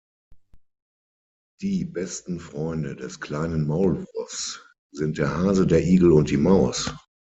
Die besten Freunde des kleinen Maulwurfs sind der Hase, der Igel und die Maus.